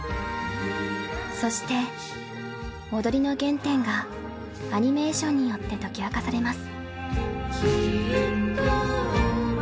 そして踊りの原点がアニメーションによって解き明かされます。